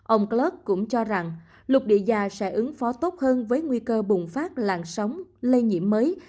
ông klut cũng cho rằng lục địa già sẽ ứng phó tốt hơn với nguy cơ bùng phát làn sóng lây nhiễm mới